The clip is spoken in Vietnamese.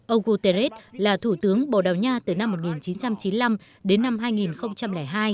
ông guterres là thủ tướng bồ đào nha từ năm một nghìn chín trăm chín mươi năm đến năm hai nghìn hai